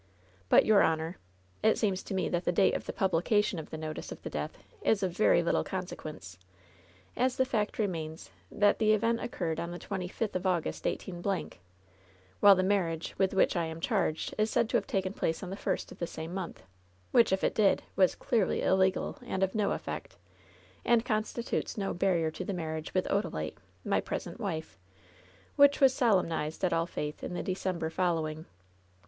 But, your honor, it seems to me that the date of the publication of the notice of the death is of very little consequence, as the fact remains that the event occurred on the twenty fifth of August, 18 —, while the marriage with which I am charged is said to have taken place on the first of the same month, which, if it did, was clearly illegal and of no effect, and constitutes no barrier to the marriage with Odalite, my present wife, which was solemnized at All Faith in the December following.